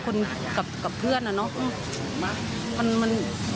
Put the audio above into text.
คนกับเพื่อนเนอะเนาะ